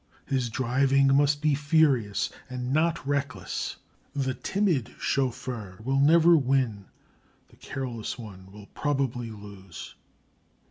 His driving must be furious and not reckless; the timid chauffeur will never win, the careless one will probably lose.